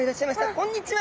こんにちは。